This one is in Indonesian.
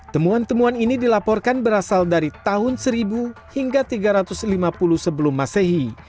temuan temuan ini dilaporkan berasal dari tahun seribu hingga tiga ratus lima puluh sebelum masehi